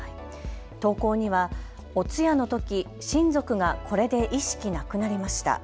投稿にはお通夜のとき親族がこれで意識なくなりました。